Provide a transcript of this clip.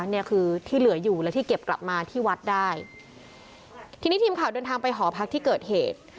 เนี่ยคือที่เหลืออยู่แล้วที่เก็บกลับมาที่วัดได้ทีนี้ทีมข่าวเดินทางไปหอพักที่เกิดเหตุ